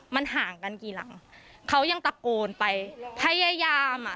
มันห่างกันกี่หลังเขายังตะโกนไปพยายามอ่ะ